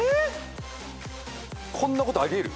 こんなことあり得る？